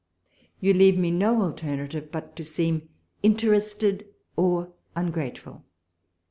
You leave me no alternative but to seem interested or ungrateful.